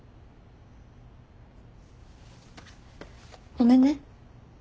ごめんね。